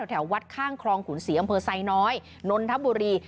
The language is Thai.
แถววัดข้างคลองขุนศรีอำเภอไซน้อยนนทบุรี